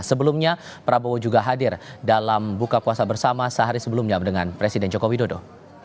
sebelumnya prabowo juga hadir dalam buka puasa bersama sehari sebelumnya dengan presiden joko widodo